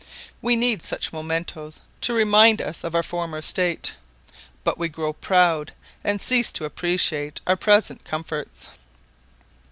We need such mementos to remind us of our former state; but we grow proud, and cease to appreciate our present comforts.